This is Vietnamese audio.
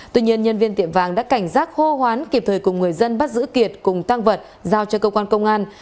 tuy nhiên nhân viên tiệm vàng đã cảnh giác hô hoán kịp thời cùng người dân bắt giữ kiệt cùng tăng vật giao cho cơ quan công an